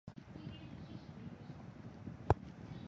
她首次在美国萤光幕亮相是在的系列剧。